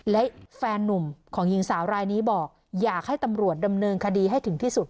และแฟนนุ่มของหญิงสาวรายนี้บอกอยากให้ตำรวจดำเนินคดีให้ถึงที่สุด